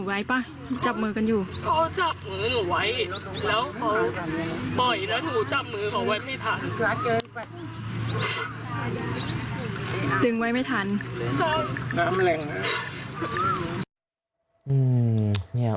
น้ำแหล่งน้ำ